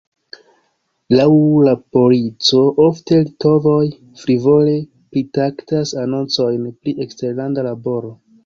Laŭ la polico, ofte litovoj frivole pritaksas anoncojn pri eksterlanda laboro.